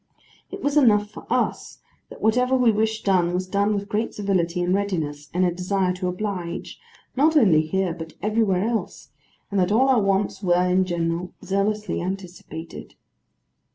It was enough for us, that whatever we wished done was done with great civility and readiness, and a desire to oblige, not only here, but everywhere else; and that all our wants were, in general, zealously anticipated.